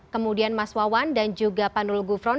kemudian mas wawan dan juga panul gufron